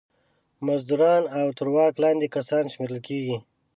مزدوران او تر واک لاندې کسان شمېرل کیږي.